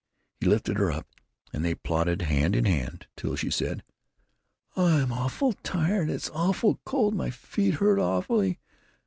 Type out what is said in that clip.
He lifted her up, and they plodded hand in hand till she said: "I'm awful tired. It's awful cold. My feet hurt awfully.